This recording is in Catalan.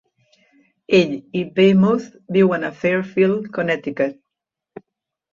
Ell i Weymouth viuen a Fairfield, Connecticut.